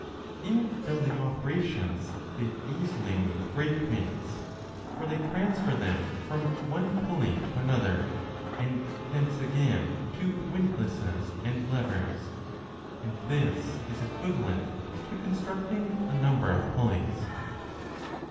10 In building operations they easily move great weights ; for they transfer them from one 1 pulley to another and thence again to windlasses and levers, and this is equivalent to constructing a number of pulleys.